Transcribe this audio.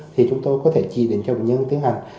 thì chúng tôi có thể chỉ định cho bệnh nhân tiến hành